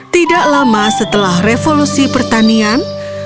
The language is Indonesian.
tidak lama setelah revolusi pertanian